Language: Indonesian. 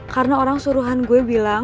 karena orang suruhan gue bilang